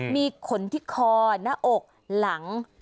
มีขนที่คอหน้าอกหลัง